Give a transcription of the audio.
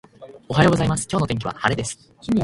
おはようございます、今日の天気は晴れです。